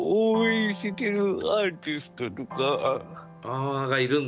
あがいるんだ。